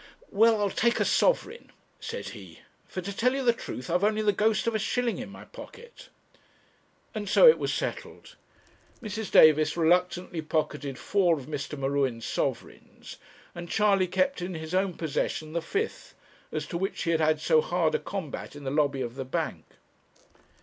'Well, I'll take a sovereign,' said he, 'for to tell you the truth, I have only the ghost of a shilling in my pocket.' And so it was settled; Mrs. Davis reluctantly pocketed four of Mr. M'Ruen's sovereigns, and Charley kept in his own possession the fifth, as to which he had had so hard a combat in the lobby of the bank.